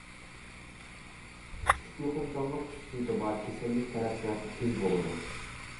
كۈچلۈك يۇقۇمچانلىق خۇسۇسىيىتى بار، كېسەللىك تەرەققىياتى تېز بولىدۇ.